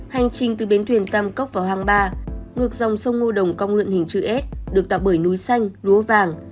hành trình từ bến thuyền tam cốc vào hang ba ngược dòng sông ngô đồng cong lượn hình chữ s được tạo bởi núi xanh lúa vàng